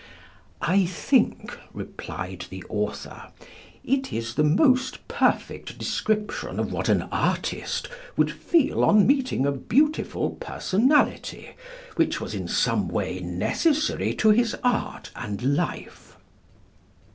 "I think," replied the author, "it is the most perfect description of what an artist would feel on meeting a beautiful personality which was in some way necessary to his art and life."